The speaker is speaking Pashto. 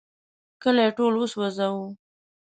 کلی ټول وسوځاوه.